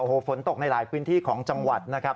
โอ้โหฝนตกในหลายพื้นที่ของจังหวัดนะครับ